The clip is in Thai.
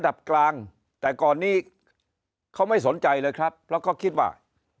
ดับกลางแต่ก่อนนี้เขาไม่สนใจเลยครับเพราะเขาคิดว่า